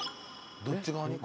どっち側に？